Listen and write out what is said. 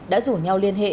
đã rủ nhau liên hệ